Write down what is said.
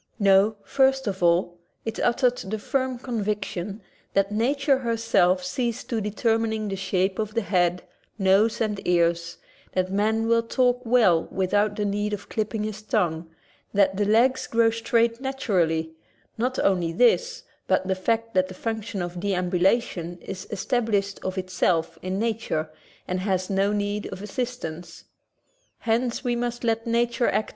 No, first of all, it uttered the firm conviction that nature herself sees to determining the shape of the head, nose, and ears; that man will talk well without the need of clipping his tongue ; that the legs grow straight naturally; not only this, but ^ the fact that the function of deambulation is established of itself in nature and has no need \ of assistance. Hence we must let nature act